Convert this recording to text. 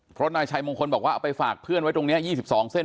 เพราะนายชัยมงคลบอกว่าเอาไปฝากเพื่อนไว้ตรงนี้๒๒เส้น